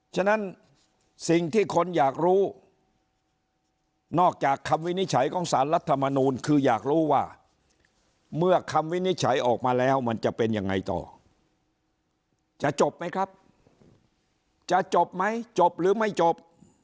จะจบไหมครับจะจบไหมจบหรือไม่จบ